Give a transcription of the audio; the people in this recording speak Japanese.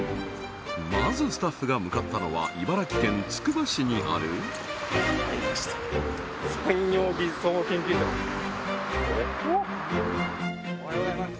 まずスタッフが向かったのは茨城県つくば市にあるありました産業技術総合研究所おはようございます